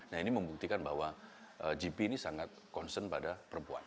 nah ini membuktikan bahwa gp ini sangat concern pada perempuan